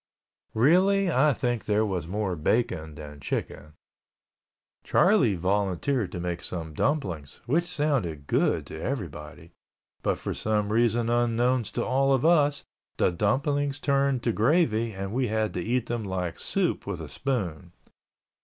Really I think there was more bacon than chicken. Charlie Russell volunteered to make some dumplings, which sounded good to everybody, but for some reason unknown to all of us, the dumplings turned to gravy and we had to eat them like soup with a spoon.